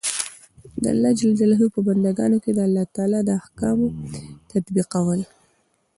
د الله ج په بندګانو د الله تعالی د احکام تطبیقول.